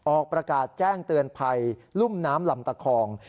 ออกประกาศแจ้งเตือนภัยรุ่มน้ำลำตะคอง